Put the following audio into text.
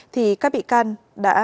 thì các bị can đã nảy ra